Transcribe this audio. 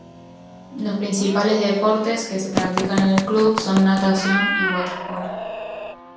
Los principales deportes que se practican en el club son natación y waterpolo.